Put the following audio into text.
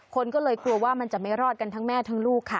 คนก็เลยกลัวว่ามันจะไม่รอดกันทั้งแม่ทั้งลูกค่ะ